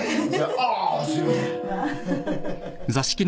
ああすいません。